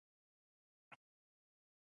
تاسي کولای شئ له تېرو معلوماتو ګټه واخلئ.